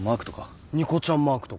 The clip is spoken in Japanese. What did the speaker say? ニコちゃんマークとか？